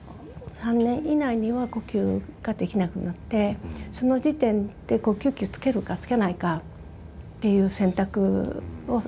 ３年以内には呼吸ができなくなってその時点で呼吸器をつけるかつけないかっていう選択を。